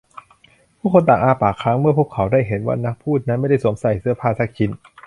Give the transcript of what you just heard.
ผู้คนต่างอ้าปากค้างเมื่อพวกเขาได้เห็นว่านักพูดนั้นไม่ได้สวมใส่เสื้อผ้าสักชิ้น